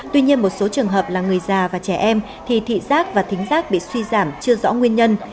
tuy nhiên một số trường hợp là người già và trẻ em thì thị giác và thính giác bị suy giảm chưa rõ nguyên nhân